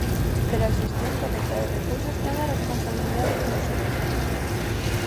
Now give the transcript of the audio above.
Pero a xestión correcta dos recursos é unha responsabilidade que nos obriga.